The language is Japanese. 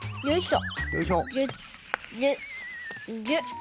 よいしょ。